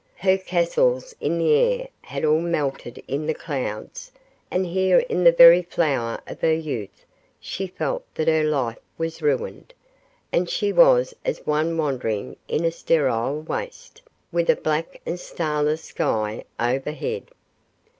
Her castles in the air had all melted into clouds, and here in the very flower of her youth she felt that her life was ruined, and she was as one wandering in a sterile waste, with a black and starless sky overhead.